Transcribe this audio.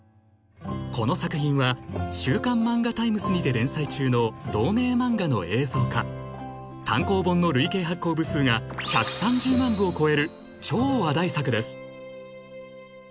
この作品は週刊漫画ＴＩＭＥＳにて連載中の同名漫画の映像化単行本の累計発行部数が１３０万部を超える超話題作です